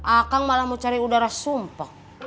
akang malah mau cari udara sumpah